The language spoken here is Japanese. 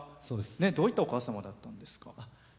どういったお母様なんですか？